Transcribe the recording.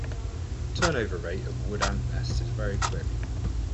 Turnover rate of wood ant nests is very quick.